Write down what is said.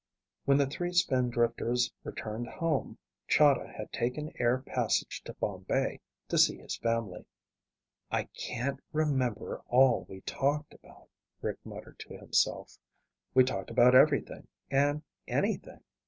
When the three Spindrifters returned home, Chahda had taken air passage to Bombay to see his family. "I can't remember all we talked about," Rick muttered to himself. "We talked about everything and anything.